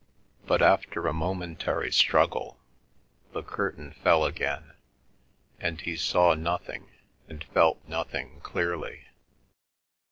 But after a momentary struggle, the curtain fell again, and he saw nothing and felt nothing clearly.